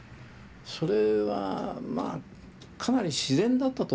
それはまあかなり自然だったと思います。